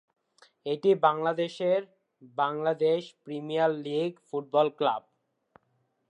এটি বাংলাদেশের Bangladesh premier league football club.